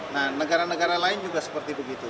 nah negara negara lain juga seperti begitu